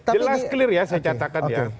jelas clear ya saya catakan ya